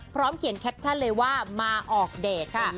เขียนแคปชั่นเลยว่ามาออกเดทค่ะ